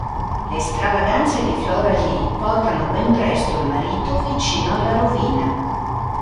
Le stravaganze di Flora Lee portano ben presto il marito vicino alla rovina.